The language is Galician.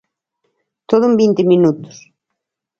Todo en vinte minutos.